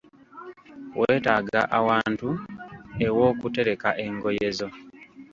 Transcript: Weetaaga ewantu ewookutereka engoye zo.